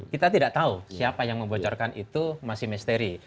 kita tidak tahu siapa yang membocorkan itu masih misteri